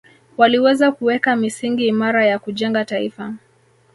Waliweza kuweka misingi imara ya kujenga taifa